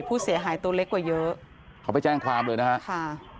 ผู้เสียหายตัวเล็กกว่าเยอะเขาไปแจ้งความเลยนะฮะค่ะ